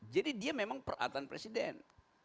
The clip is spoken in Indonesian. jadi dia memang peralatan presiden